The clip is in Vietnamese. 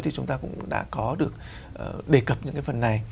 thì chúng ta cũng đã có được đề cập những cái phần này